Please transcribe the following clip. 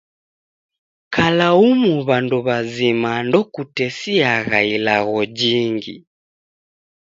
Kulaumu w'andu w'azima ndokutesiagha ilagho jingi.